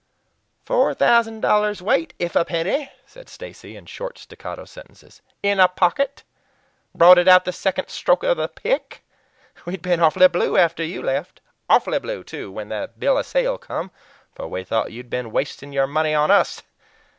"Four thousand dollars' weight if a penny!" said Stacy, in short staccato sentences. "In a pocket! Brought it out the second stroke of the pick! We'd been awfully blue after you left. Awfully blue, too, when that bill of sale came, for we thought you'd been wasting your money on US.